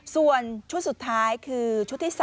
ส่วนชุดสุดท้ายคือชุดที่๓